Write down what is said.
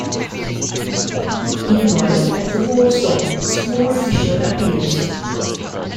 Meanwhile at the wardstone a small fissure appears.